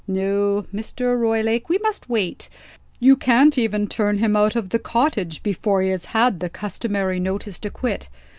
No, Mr. Roylake, we must wait. You can't even turn him out of the cottage before he has had the customary notice to quit.